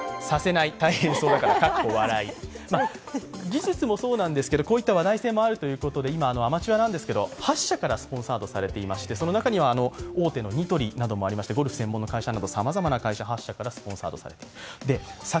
技術もそうなんですけど、こういった話題性もあるということで今、アマチュアなんですけど８社からスポンサードされていましてその中には大手のニトリなどもありましてゴルフ専門の会社など、さまざまな会社、８社からスポンサードされています